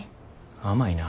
甘いなぁ。